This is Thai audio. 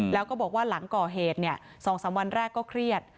แล้วก็บอกว่าหลังก่อเหตุ๒๓วันแรกก็เครียด